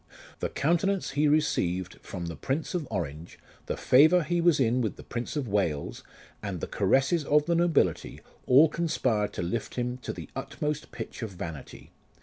The countenance he received from the Prince of Orange, the favour he was in with the Prince of Wales, and the caresses of the nobility, all conspired to lift him to the utmost pitch of vanity.